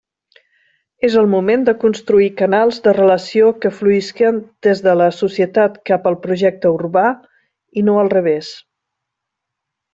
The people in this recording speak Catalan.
És el moment de construir canals de relació que fluïsquen des de la societat cap al projecte urbà i no al revés.